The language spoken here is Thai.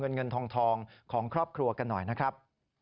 เงินเงินทองของครอบครัวกันหน่อยนะครับ